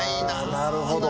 なるほど。